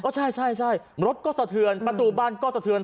ใช่รถก็สะเทือนประตูบ้านก็สะเทือน